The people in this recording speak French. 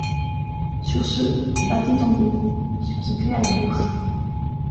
Sur ce, battez, tambours ! Ce qui plaît à la bouche